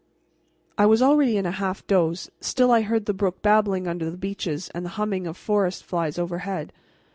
I was already in a half doze; still I heard the brook babbling under the beeches and the humming of forest flies overhead.